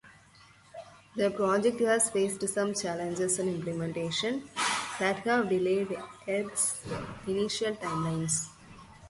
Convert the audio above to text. The project has faced some challenges in implementation that have delayed its initial timelines.